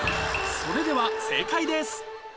それでは正解です